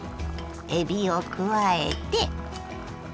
えびを加えて。